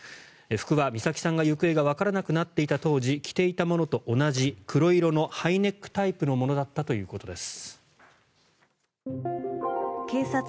服は美咲さんの行方がわからなくなった当時着ていたものと同じ黒色のハイネックタイプのものだったということです。